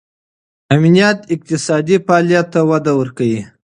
امنیت اقتصادي فعالیت ته وده ورکوي.